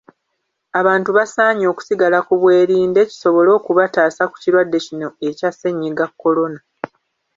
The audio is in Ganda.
Abantu basaanye okusigala ku bwerinde, kisobole okubataasa ku kirwadde kino ekya ssennyiga Kolona.